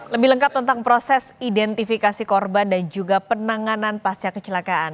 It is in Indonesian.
lebih lengkap tentang proses identifikasi korban dan juga penanganan pasca kecelakaan